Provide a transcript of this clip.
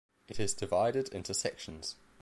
It is divided into sections.